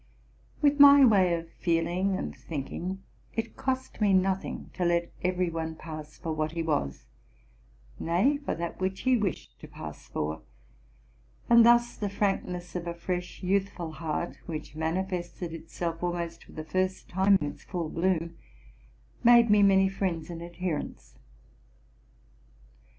With my way of feeling and thinking, it cost me nothing RELATING TO MY LIFE. 307 to let every one pass for what he was, — nay, for that which he wished to pass for; and thus the frankness of a fresh, youthful heart, which manifested itself almost for the first time in its full bloom, made me many friends and adherents.